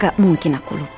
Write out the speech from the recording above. gak mungkin aku lupa